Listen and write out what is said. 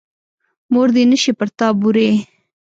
مور دې نه شي پر تا بورې.